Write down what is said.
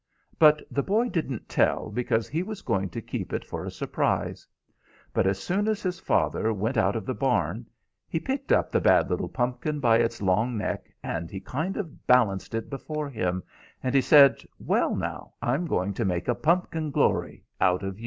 "But the boy didn't tell, because he was going to keep it for a surprise; but as soon as his father went out of the barn, he picked up the bad little pumpkin by its long neck, and he kind of balanced it before him, and he said, 'Well, now, I'm going to make a pumpkin glory out of you!'